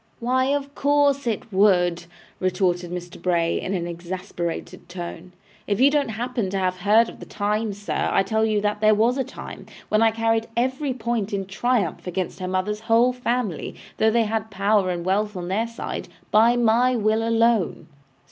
'Why, of course it would,' retorted Mr. Bray, in an exasperated tone. 'If you don't happen to have heard of the time, sir, I tell you that there was a time, when I carried every point in triumph against her mother's whole family, although they had power and wealth on their side, by my will alone.